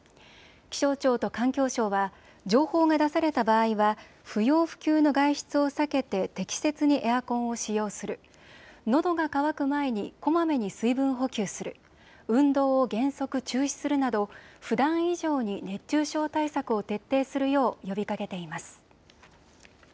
気象庁と環境省は情報が出された場合は不要不急の外出を避けて適切にエアコンを使用する、のどが乾く前にこまめに水分補給する、運動を原則中止するなどふだん以上に熱中症対策を徹底するよう呼びかけています。